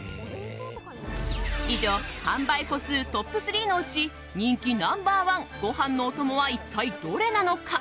以上、販売個数トップ３のうち人気ナンバー１ご飯のお供は一体どれなのか？